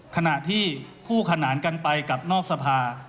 ขณะที่คู่ขนานกันไปกับนอกสภา